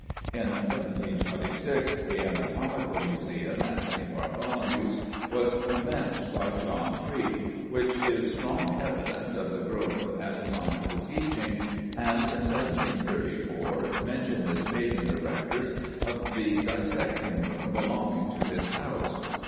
In 1726 the anatomical museum at St. Bartholomew's was commenced by John Freke, which is strong evidence of the growth of anatomical teaching, and in 1734 mention is made in the records of "the dissecting room belonging to this house."